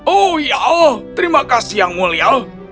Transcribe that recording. oh ya terima kasih yang mulia